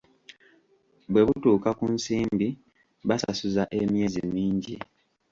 "Bwe butuuka ku nsimbi, basasuza emyezi mingi."